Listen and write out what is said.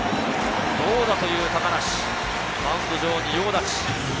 どうだという高梨、マウンド上、仁王立ち。